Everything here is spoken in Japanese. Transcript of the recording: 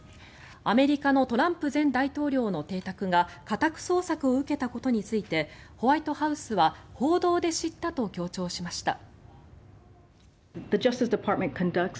アメリカのトランプ前大統領の邸宅が家宅捜索を受けたことについてホワイトハウスは報道で知ったと強調しました。